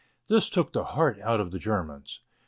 This took the heart out of the Germans.